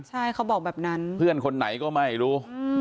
ใช่เขาบอกแบบนั้นเพื่อนคนไหนก็ไม่รู้